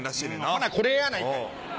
ほなこれやないかい！